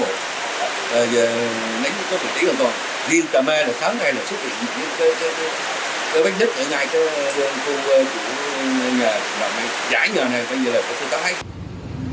huyện nam trà my sáng nay đã xuất hiện một vụ sạt lở đất